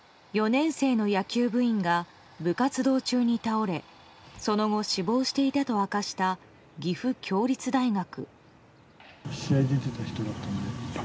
４年生の野球部員が部活動中に倒れその後、死亡していたと明かした岐阜協立大学。